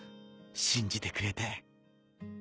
信じてくれて。